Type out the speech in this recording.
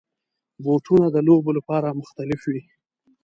بوټونه د لوبو لپاره مختلف وي.